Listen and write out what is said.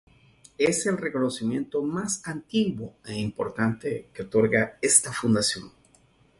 Es el reconocimiento más antiguo e importante que otorga esta fundación.